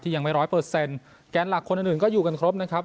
ยังไม่ร้อยเปอร์เซ็นต์แกนหลักคนอื่นอื่นก็อยู่กันครบนะครับ